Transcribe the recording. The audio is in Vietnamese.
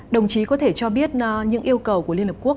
đồng chí có thể cho biết những yêu cầu của liên hợp quốc